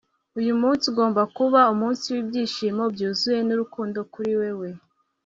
uyu munsi ugomba kuba umunsi wibyishimo byuzuye nurukundo kuri wewe